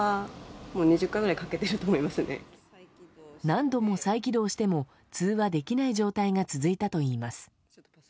何度も再起動しても通話できない状態が続いたといいます。